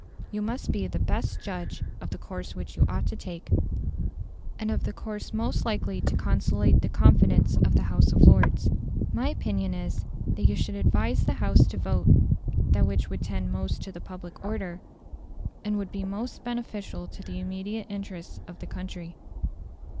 You must be the best judge of the course which you ought to take, and of the course most likely to conciliate the confidence of the House of Lords. My opinion is, that you should advise the House to vote that which would tend most to public order, and would be most beneficial to the immediate interests of the country."